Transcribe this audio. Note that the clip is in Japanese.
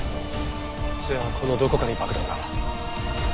じゃあこのどこかに爆弾が？